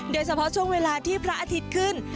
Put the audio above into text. โดยเฉพาะช่วงเวลาที่พระอาทิตย์ขึ้น